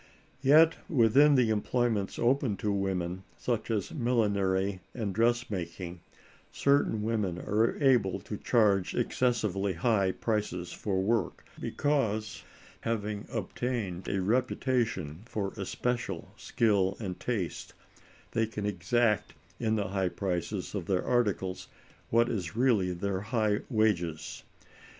Yet within the employments open to women, such as millinery and dress making, certain women are able to charge excessively high prices for work, because, having obtained a reputation for especial skill and taste, they can exact in the high prices of their articles what is really their high wages.